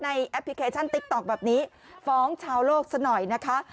แอปพลิเคชันติ๊กต๊อกแบบนี้ฟ้องชาวโลกซะหน่อยนะคะ